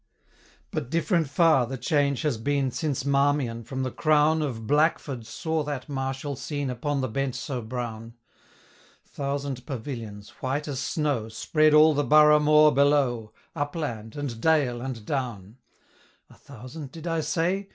But different far the change has been, Since Marmion, from the crown Of Blackford, saw that martial scene Upon the bent so brown: Thousand pavilions, white as snow, 520 Spread all the Borough moor below, Upland, and dale, and down: A thousand did I say?